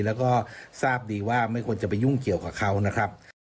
แล้วก็ทราบดีว่าไม่ควรจะไปยุ่งเกี่ยวกับเขานะครับ